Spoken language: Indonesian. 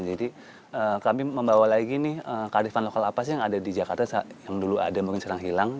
jadi kami membawa lagi nih kearifan lokal apa sih yang ada di jakarta yang dulu ada mungkin sekarang hilang